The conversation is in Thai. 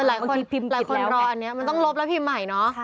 หลายคนรออันนี้มันต้องลบแล้วพิมพ์ใหม่เนาะ